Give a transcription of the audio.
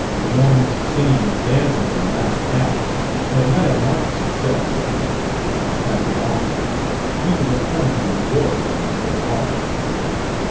Lemoyne's singing and dancing in the last act had had a marked success: after all, people had come to enjoy and to applaud.